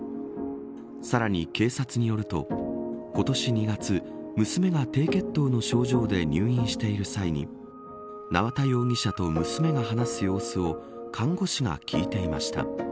さらに警察によると今年２月、娘が低血糖の症状で入院している際に縄田容疑者と娘が話す様子を看護師が聞いていました。